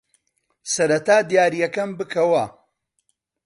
سەرەتا دیارییەکەم بکەوە.